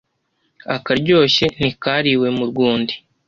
Akaryoshye ntikariwe mu rw’undi.